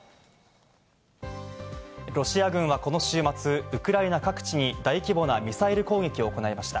ロシア軍はこの週末、ウクライナ各地に大規模なミサイル攻撃を行いました。